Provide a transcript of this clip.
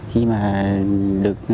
khi mà được